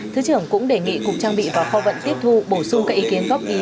thứ trưởng cũng đề nghị cục trang bị và kho vận tiếp thu bổ sung các ý kiến góp ý